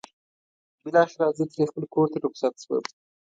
بالاخره زه ترې خپل کور ته رخصت شوم.